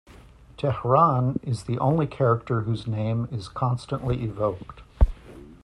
Teheran is the only character whose name is constantly evoked.